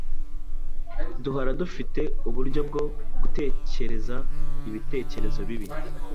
Duhora dufite uburyo bwo gutekereza ibitekerezo bibi,